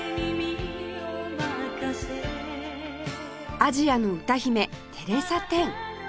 アジアの歌姫テレサ・テン